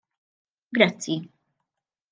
Grazzi.